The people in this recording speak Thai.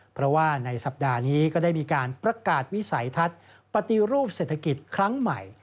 เพราะว่าในสัปดาห์นี้ก็ได้มีการประกาศวิสัยทัศน์ปฏิรูปเศรษฐกิจครั้งใหม่